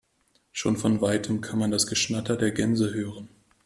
Schon von weitem kann man das Geschnatter der Gänse hören.